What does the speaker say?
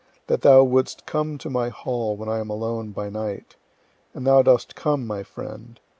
O that thou wouldst come to my hall when I am alone by night! And thou dost come, my friend.